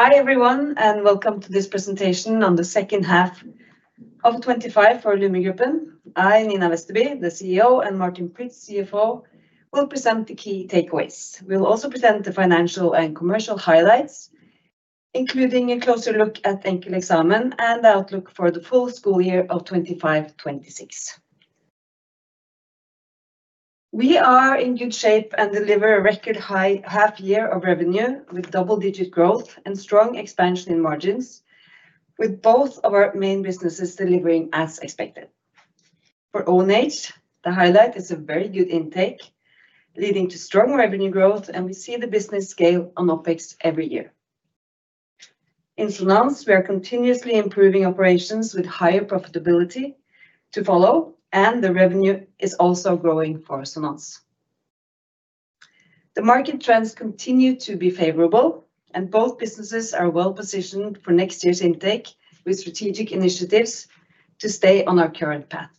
Hi, everyone, and welcome to this presentation on the second half of 2025 for Lumi Gruppen. I, Nina Vesterby, the CEO, and Martin Prytz, CFO, will present the key takeaways. We'll also present the financial and commercial highlights, including a closer look at EnkelEksamen and the outlook for the full school year of 2025, 2026. We are in good shape and deliver a record high half year of revenue, with double-digit growth and strong expansion in margins, with both of our main businesses delivering as expected. For ONH, the highlight is a very good intake, leading to strong revenue growth, and we see the business scale on OpEx every year. In Sonans, we are continuously improving operations with higher profitability to follow, and the revenue is also growing for Sonans. The market trends continue to be favorable, and both businesses are well-positioned for next year's intake, with strategic initiatives to stay on our current path.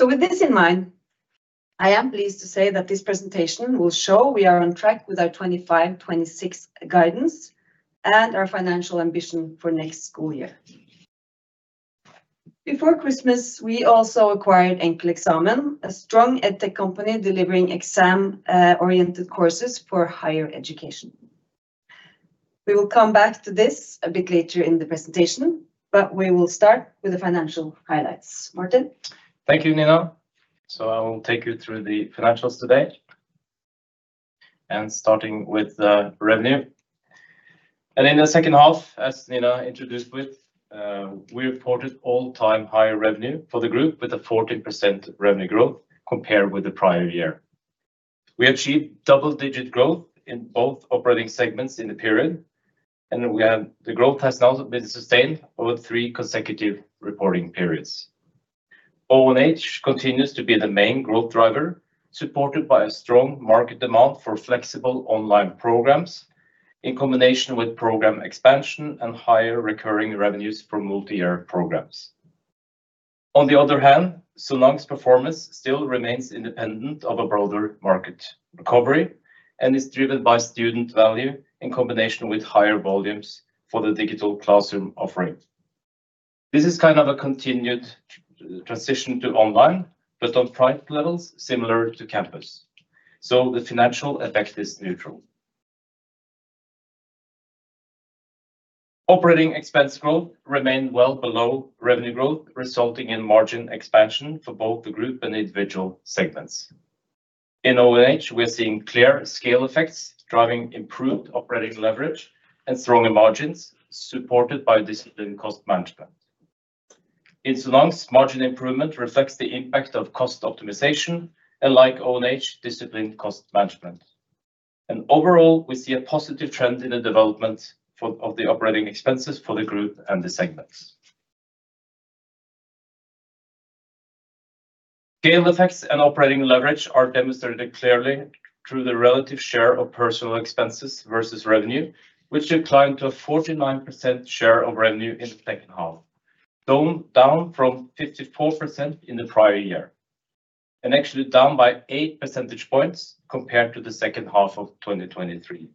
With this in mind, I am pleased to say that this presentation will show we are on track with our 2025, 2026 guidance and our financial ambition for next school year. Before Christmas, we also acquired EnkelEksamen, a strong edtech company delivering exam-oriented courses for higher education. We will come back to this a bit later in the presentation, but we will start with the financial highlights. Martin? Thank you, Nina. So I will take you through the financials today, and starting with the revenue. In the second half, as Nina introduced with, we reported all-time higher revenue for the group, with a 14% revenue growth compared with the prior year. We achieved double-digit growth in both operating segments in the period, and the growth has now been sustained over three consecutive reporting periods. ONH continues to be the main growth driver, supported by a strong market demand for flexible online programs, in combination with program expansion and higher recurring revenues from multi-year programs. On the other hand, Sonans's performance still remains independent of a broader market recovery and is driven by student value in combination with higher volumes for the digital classroom offering. This is kind of a continued transition to online, but on price levels similar to campus, so the financial effect is neutral. Operating expense growth remained well below revenue growth, resulting in margin expansion for both the group and individual segments. In ONH, we're seeing clear scale effects, driving improved operating leverage and stronger margins, supported by disciplined cost management. In Sonans, margin improvement reflects the impact of cost optimization and, like ONH, disciplined cost management. Overall, we see a positive trend in the development for, of the operating expenses for the group and the segments. Scale effects and operating leverage are demonstrated clearly through the relative share of personal expenses versus revenue, which declined to a 49% share of revenue in the second half, down from 54% in the prior year. Actually down by 8 percentage points compared to the second half of 2023.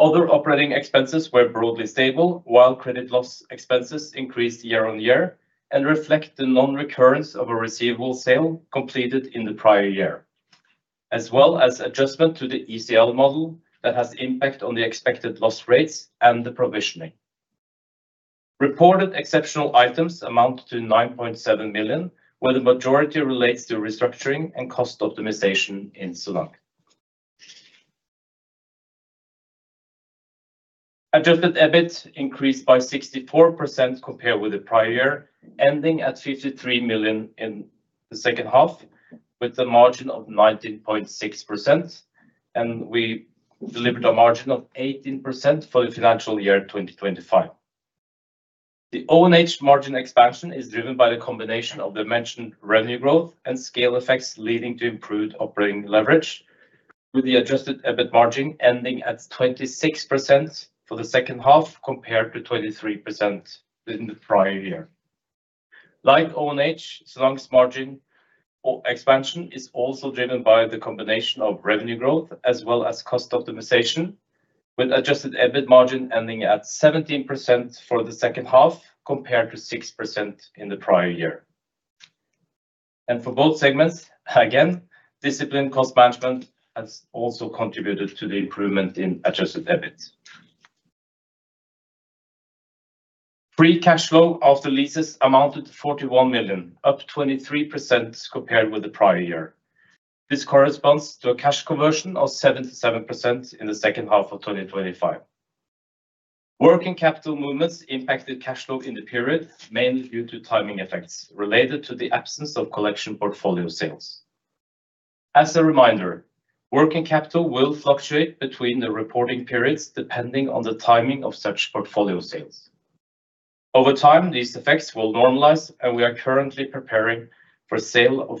Other operating expenses were broadly stable, while credit loss expenses increased year-on-year and reflect the non-recurrence of a receivable sale completed in the prior year, as well as adjustment to the ECL model that has impact on the expected loss rates and the provisioning. Reported exceptional items amounted to 9.7 million, where the majority relates to restructuring and cost optimization in Sonans. Adjusted EBIT increased by 64% compared with the prior year, ending at 53 million in the second half, with a margin of 19.6%, and we delivered a margin of 18% for the financial year 2025. The ONH margin expansion is driven by the combination of the mentioned revenue growth and scale effects, leading to improved operating leverage, with the adjusted EBIT margin ending at 26% for the second half, compared to 23% in the prior year. Like ONH, Sonans's margin or expansion is also driven by the combination of revenue growth as well as cost optimization, with adjusted EBIT margin ending at 17% for the second half, compared to 6% in the prior year. And for both segments, again, disciplined cost management has also contributed to the improvement in adjusted EBIT. Free cash flow after leases amounted to 41 million, up 23% compared with the prior year. This corresponds to a cash conversion of 77% in the second half of 2025. Working capital movements impacted cash flow in the period, mainly due to timing effects related to the absence of collection portfolio sales. As a reminder, working capital will fluctuate between the reporting periods, depending on the timing of such portfolio sales. Over time, these effects will normalize, and we are currently preparing for sale of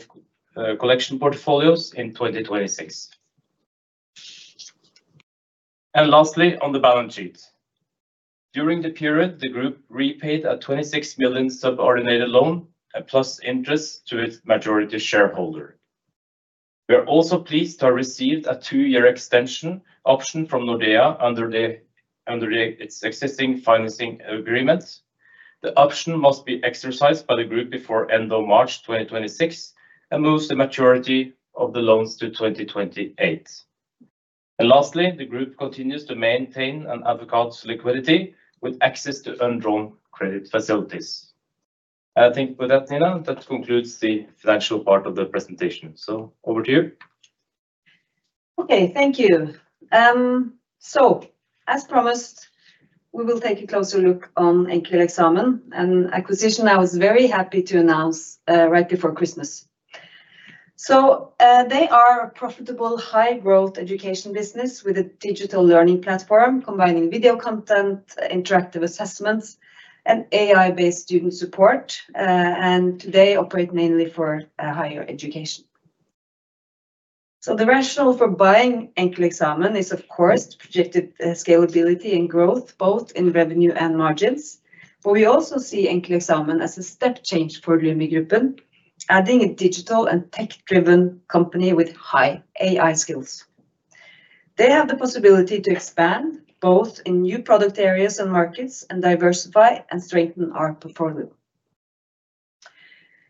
collection portfolios in 2026. And lastly, on the balance sheet. During the period, the group repaid a 26 million subordinated loan, plus interest, to its majority shareholder. We are also pleased to have received a two-year extension option from Nordea under its existing financing agreement. The option must be exercised by the group before end of March 2026, and moves the maturity of the loans to 2028. And lastly, the group continues to maintain and adequate liquidity with access to undrawn credit facilities. I think with that, Nina, that concludes the financial part of the presentation. So over to you. Okay, thank you. So as promised, we will take a closer look on EnkelEksamen, an acquisition I was very happy to announce right before Christmas. So they are a profitable, high-growth education business with a digital learning platform, combining video content, interactive assessments, and AI-based student support, and they operate mainly for higher education. So the rationale for buying EnkelEksamen is, of course, projected scalability and growth, both in revenue and margins. But we also see EnkelEksamen as a step change for Lumi Gruppen, adding a digital and tech-driven company with high AI skills. They have the possibility to expand both in new product areas and markets, and diversify and strengthen our portfolio.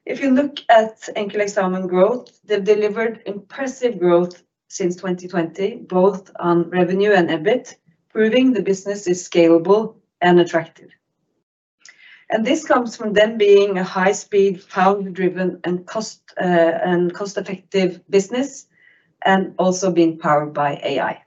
If you look at EnkelEksamen growth, they've delivered impressive growth since 2020, both on revenue and EBIT, proving the business is scalable and attractive. This comes from them being a high-speed, cloud-driven, and cost-effective business, and also being powered by AI.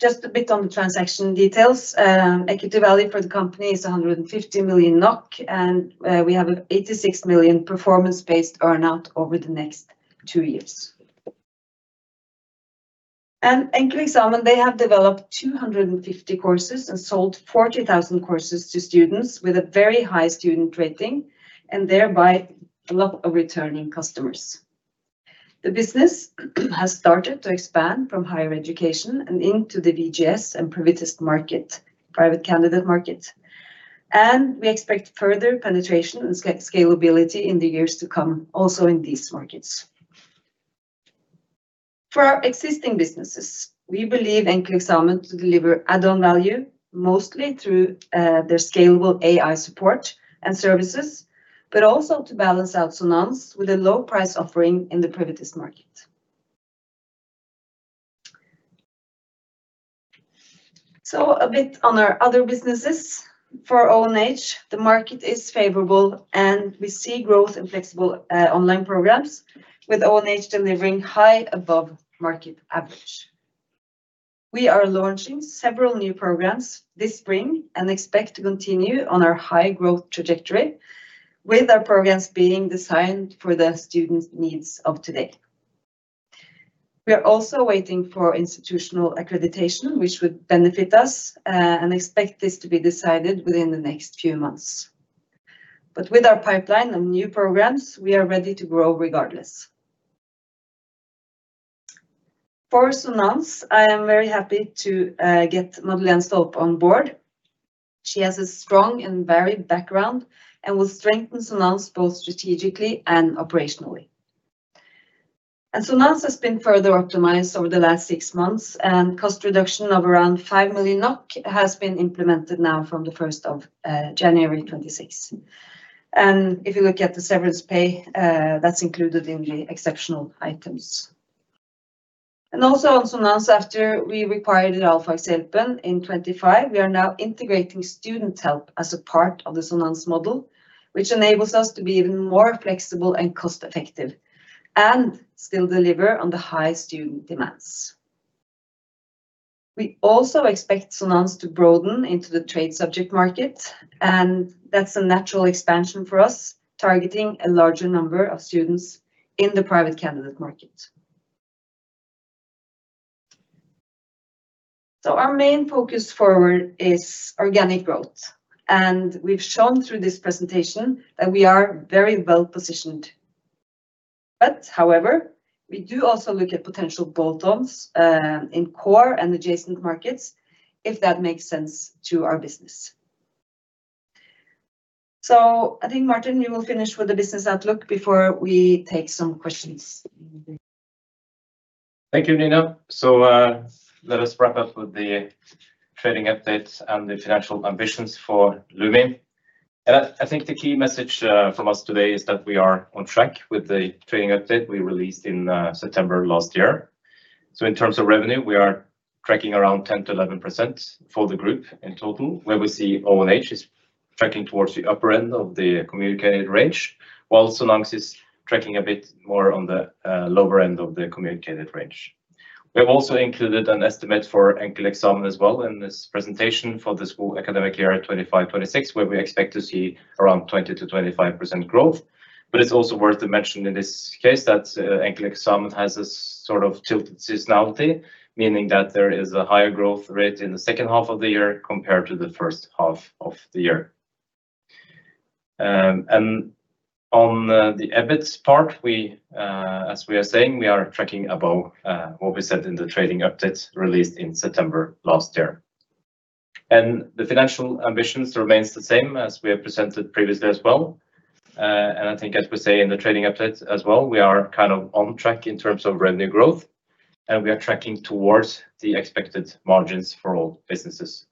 Just a bit on the transaction details. Equity value for the company is 150 million NOK, and we have 86 million performance-based earn-out over the next two years. EnkelEksamen, they have developed 250 courses and sold 40,000 courses to students with a very high student rating, and thereby, a lot of returning customers. The business has started to expand from higher education and into the VGS and privatist market, private candidate market, and we expect further penetration and scalability in the years to come, also in these markets. For our existing businesses, we believe EnkelEksamen to deliver add-on value, mostly through their scalable AI support and services, but also to balance out Sonans with a low price offering in the privatist market. So a bit on our other businesses. For ONH, the market is favorable, and we see growth in flexible online programs, with ONH delivering high above market average. We are launching several new programs this spring and expect to continue on our high growth trajectory, with our programs being designed for the students' needs of today. We are also waiting for institutional accreditation, which would benefit us, and expect this to be decided within the next few months. But with our pipeline and new programs, we are ready to grow regardless. For Sonans, I am very happy to get Madelene Stolpe on board. She has a strong and varied background and will strengthen Sonans both strategically and operationally. Sonans has been further optimized over the last six months, and cost reduction of around 5 million NOK has been implemented now from the first of January 2026. If you look at the severance pay, that's included in the exceptional items. Also on Sonans, after we acquired Realfagshjelpen in 2025, we are now integrating student help as a part of the Sonans model, which enables us to be even more flexible and cost-effective, and still deliver on the high student demands. We also expect Sonans to broaden into the trade subject market, and that's a natural expansion for us, targeting a larger number of students in the private candidate market. So our main focus forward is organic growth, and we've shown through this presentation that we are very well positioned. However, we do also look at potential bolt-ons in core and adjacent markets, if that makes sense to our business. So I think, Martin, you will finish with the business outlook before we take some questions. Thank you, Nina. So, let us wrap up with the trading update and the financial ambitions for Lumi. And I think the key message from us today is that we are on track with the trading update we released in September last year. So in terms of revenue, we are tracking around 10%-11% for the group in total, where we see ONH is tracking towards the upper end of the communicated range, while Sonans is tracking a bit more on the lower end of the communicated range. We have also included an estimate for EnkelEksamen as well in this presentation for the school academic year 2025, 2026, where we expect to see around 20%-25% growth. It's also worth to mention in this case that EnkelEksamen has a sort of tilted seasonality, meaning that there is a higher growth rate in the second half of the year compared to the first half of the year. On the EBIT part, we, as we are saying, we are tracking above what we said in the trading update released in September last year. The financial ambitions remains the same as we have presented previously as well. I think as we say in the trading update as well, we are kind of on track in terms of revenue growth, and we are tracking towards the expected margins for all businesses.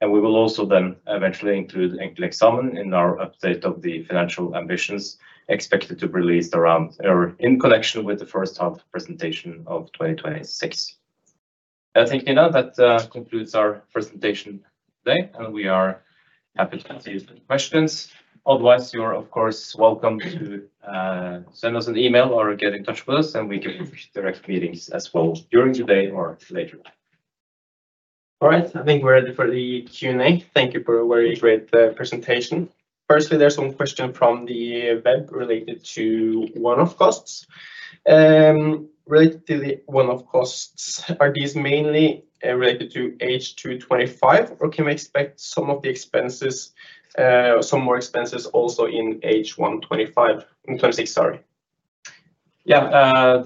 We will also then eventually include EnkelEksamen in our update of the financial ambitions expected to be released around or in connection with the first half presentation of 2026. I think, you know, that concludes our presentation today, and we are happy to answer any questions. Otherwise, you are, of course, welcome to send us an email or get in touch with us, and we can arrange direct meetings as well during today or later. All right, I think we're ready for the Q&A. Thank you for a very great presentation. Firstly, there's one question from the web related to one-off costs. Related to the one-off costs, are these mainly related to H2 2025, or can we expect some of the expenses, some more expenses also in H1 2025, 2026, sorry? Yeah.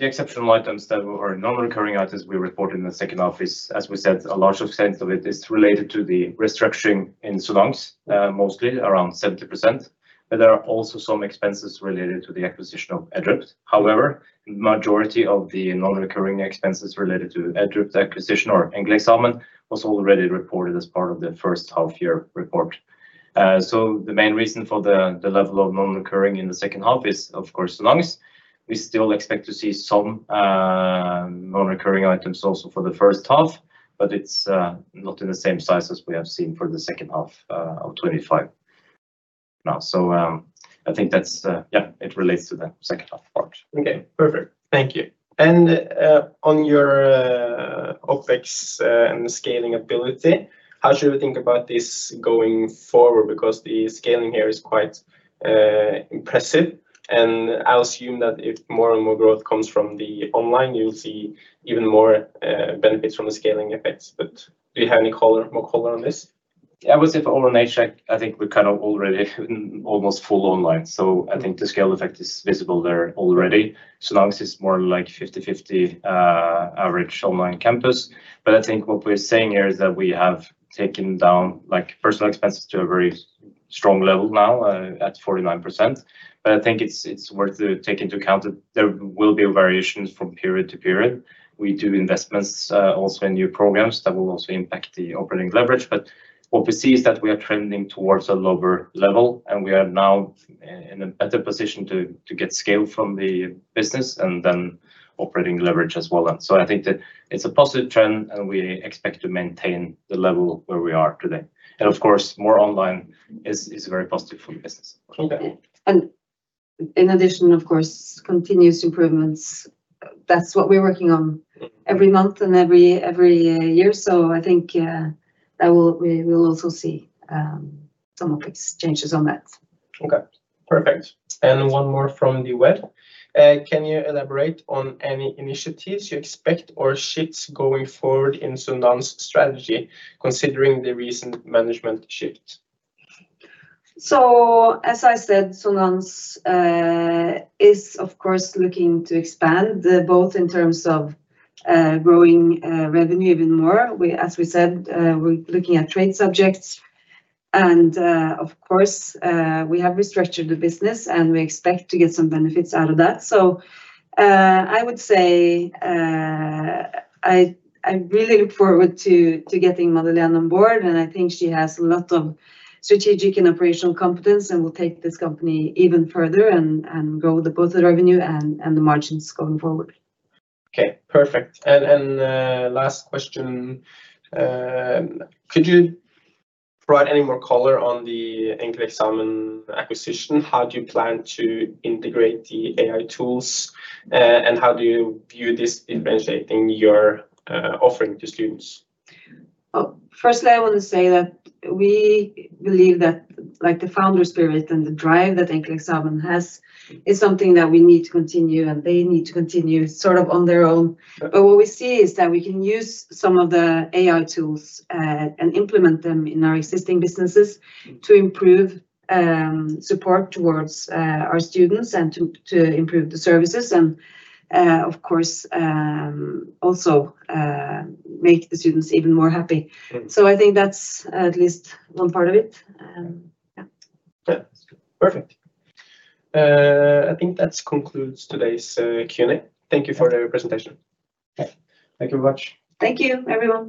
The exceptional items that were non-recurring items we reported in the second half is, as we said, a large extent of it is related to the restructuring in Sonans, mostly around 70%, but there are also some expenses related to the acquisition of Edrupt. However, majority of the non-recurring expenses related to Edrupt acquisition or EnkelEksamen was already reported as part of the first half year report. So the main reason for the, the level of non-recurring in the second half is, of course, Sonans. We still expect to see some, non-recurring items also for the first half, but it's, not in the same size as we have seen for the second half, of 2025 now. So, I think that's, yeah, it relates to the second half part. Okay, perfect. Thank you. And, on your OpEx and scaling ability, how should we think about this going forward? Because the scaling here is quite impressive, and I'll assume that if more and more growth comes from the online, you'll see even more benefits from the scaling effects. But do you have any color, more color on this? I would say for ONH, I think we're kind of already almost full online, so I think the scale effect is visible there already. Sonans is more like 50/50, average online campus. But I think what we're saying here is that we have taken down, like, personnel expenses to a very strong level now, at 49%. But I think it's worth to take into account that there will be variations from period to period. We do investments also in new programs that will also impact the operating leverage. But what we see is that we are trending towards a lower level, and we are now in a better position to get scale from the business and then operating leverage as well. And so I think that it's a positive trend, and we expect to maintain the level where we are today. Of course, more online is very positive for the business. Okay. In addition, of course, continuous improvements. That's what we're working on- Mm. every month and every year. So I think that we will also see some of these changes on that. Okay, perfect. And one more from the web. Can you elaborate on any initiatives you expect or shifts going forward in Sonans's strategy, considering the recent management shift? So, as I said, Sonans is of course looking to expand both in terms of growing revenue even more. As we said, we're looking at trade subjects, and of course we have restructured the business, and we expect to get some benefits out of that. So, I would say I really look forward to getting Madelene on board, and I think she has a lot of strategic and operational competence and will take this company even further and grow both the revenue and the margins going forward. Okay, perfect. And last question, could you provide any more color on the EnkelEksamen acquisition? How do you plan to integrate the AI tools, and how do you view this differentiating your offering to students? Firstly, I want to say that we believe that, like, the founder spirit and the drive that EnkelEksamen has is something that we need to continue, and they need to continue sort of on their own. Sure. But what we see is that we can use some of the AI tools and implement them in our existing businesses to improve support towards our students and to improve the services and, of course, also make the students even more happy. Yeah. So I think that's at least one part of it. Yeah. Yeah, perfect. I think that concludes today's Q&A. Thank you for the presentation. Yeah. Thank you very much. Thank you, everyone.